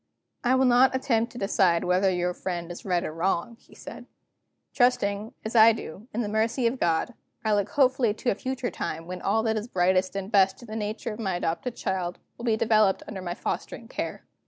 "I will not attempt to decide whether your friend is right or wrong," he said. "Trusting, as I do, in the mercy of God, I look hopefully to a future time when all that is brightest and best in the nature of my adopted child will be developed under my fostering care.